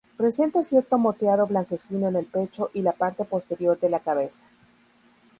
Presenta cierto moteado blanquecino en el pecho y la parte posterior de la cabeza.